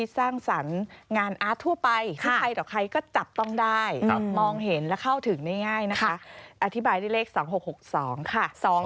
สร้างสรรค์งานอาร์ตทั่วไปคือใครต่อใครก็จับต้องได้มองเห็นและเข้าถึงง่ายนะคะอธิบายด้วยเลข๒๖๖๒ค่ะ